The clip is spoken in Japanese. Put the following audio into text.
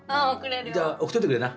じゃあ送っといてくれな。